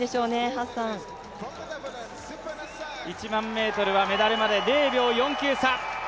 ハッサン１００００ｍはメダルまで０秒４９差